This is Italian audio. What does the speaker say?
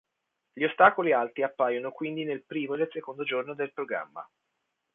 Gli ostacoli alti appaiono quindi nel primo e nel secondo giorno del programma.